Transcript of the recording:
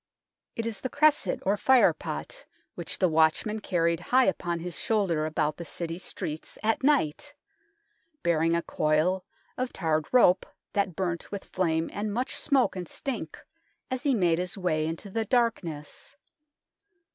It is the cresset, or fire pot, which the watchman carried high upon his shoulder about the City streets at night, bearing a coil of tarred rope that burnt with flame and much smoke and stink as he made his way in the darkness.